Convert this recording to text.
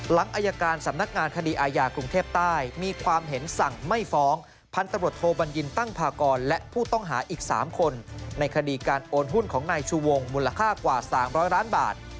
อายการสำนักงานคดีอาญากรุงเทพใต้มีความเห็นสั่งไม่ฟ้องพันตำรวจโทบัญญินตั้งพากรและผู้ต้องหาอีก๓คนในคดีการโอนหุ้นของนายชูวงมูลค่ากว่า๓๐๐ล้านบาท